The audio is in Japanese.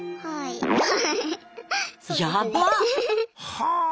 はあ！